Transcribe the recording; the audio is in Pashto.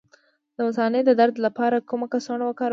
د مثانې د درد لپاره کومه کڅوړه وکاروم؟